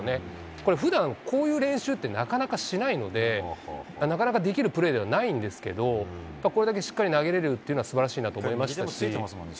これ、ふだん、こういう練習って、なかなかしないので、なかなかできるプレーではないんですけれども、これだけしっかり投げれるというのはすばらしいなと思いましたし。